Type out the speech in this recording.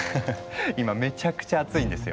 今めちゃくちゃ熱いんですよ。